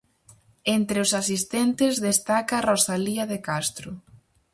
Entre os asistentes destaca Rosalía de Castro.